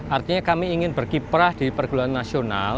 artinya kami ingin berkiprah di perguruan nasional